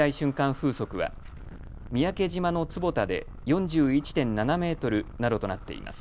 風速は三宅島の坪田で４１．７メートルなどとなっています。